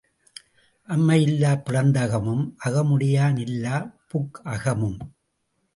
அம்மை இல்லாப் பிறந்தகமும் அகமுடையான் இல்லாப் புக்ககமும்.